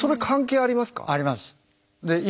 あります。